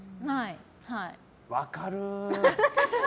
分かる。